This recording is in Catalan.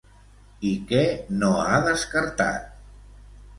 I què no ha descartat?